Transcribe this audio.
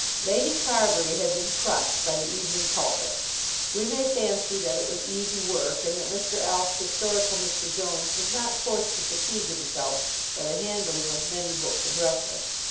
Lady Carbury had been crushed by the "Evening Pulpit." We may fancy that it was easy work, and that Mr. Alf's historical Mr. Jones was not forced to fatigue himself by the handling of many books of reference.